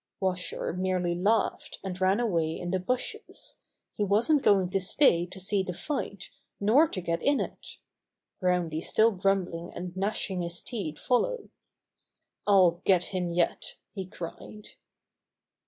Washer merely laughed and ran away in the bushes. He wasn't going to stay to see the fight, nor to get in It. Groundy still grum bling and gnashing his teeth followed. "I'll get him yet!" he cried.